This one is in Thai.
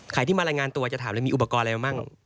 ใครที่มารายงานตัวมีอุปกรณ์มั้ง